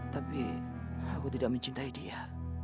tapi aku tidak mencintai dia